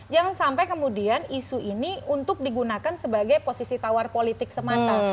jangan sampai kemudian isu ini untuk digunakan sebagai posisi tawar politik semata